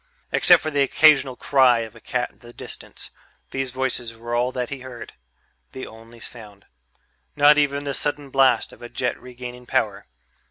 Except for the occasional cry of a cat in the distance, these voices were all that he heard ... the only sound. Not even the sudden blast of a jet regaining power